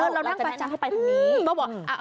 เราจะได้ทางให้ไปทางนี้